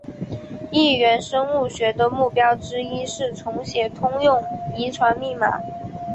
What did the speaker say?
异源生物学的目标之一是重写通用遗传密码。